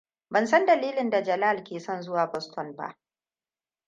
Ban san dalilin da Jalal ke son zuwa Boston ba.